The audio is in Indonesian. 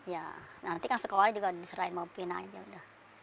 ya nanti kan sekolahnya juga diserahin sama ibu vina aja udah sd nya gitu